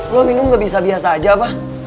lo minum gak bisa biasa aja pak